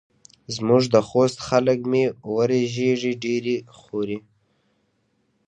زموږ د خوست خلک مۍ وریژې ډېرې خوري.